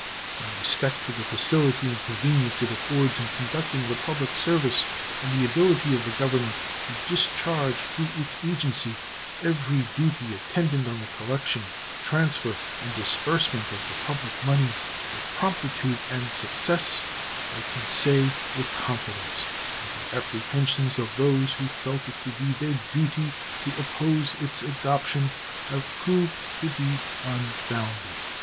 In respect to the facility and convenience it affords in conducting the public service, and the ability of the Government to discharge through its agency every duty attendant on the collection, transfer, and disbursement of the public money with promptitude and success, I can say with confidence that the apprehensions of those who felt it to be their duty to oppose its adoption have proved to be unfounded.